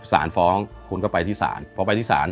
สารฟ้องคุณไปที่สาร